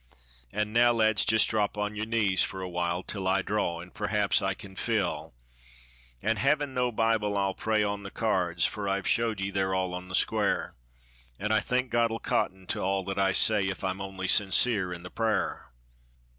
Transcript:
An' now, lads, jist drop on yer knees for a while Till I draw, and perhaps I kin fill; An' havin' no Bible, I'll pray on the cards, Fur I've showed ye they're all on the squar', An' I think God'll cotton to all that I say, If I'm only sincere in the pra'r.